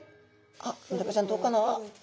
あっメダカちゃんどうかな？